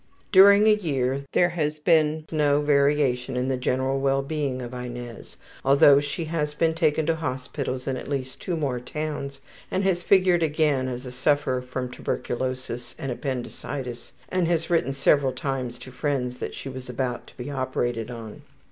During a year there has been no variation in the general well being of Inez, although she has been taken to hospitals in at least two more towns and has figured again as a sufferer from tuberculosis and appendicitis, and has written several times to friends that she was about to be operated on.